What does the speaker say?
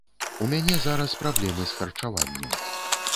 У мяне зараз праблемы з харчаваннем.